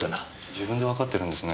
自分でわかってるんですね。